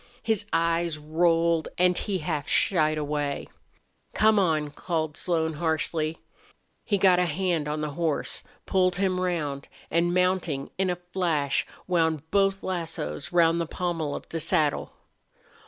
His eyes rolled and he half shied away. "Come on!" called Slone, harshly. He got a hand on the horse, pulled him round, and, mounting in a flash, wound both lassos round the pommel of the saddle.